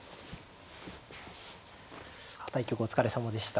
対局お疲れさまでした。